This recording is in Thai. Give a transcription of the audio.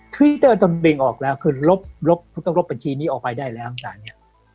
ทวิตเตอร์จนเบ่งออกแล้วคือลบต้องลบบัญชีนี้ออกไปได้แล้วต่างเนี่ย